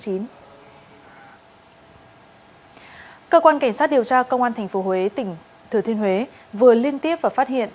cơ quan cảnh sát điều tra công an tp huế tỉnh thừa thiên huế vừa liên tiếp và phát hiện